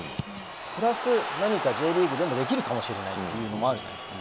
プラス、何かＪリーグでもできるかもしれないのもあるじゃないですか。